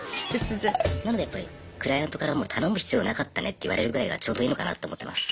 なのでクライアントから「頼む必要なかったね」って言われるぐらいがちょうどいいのかなと思ってます。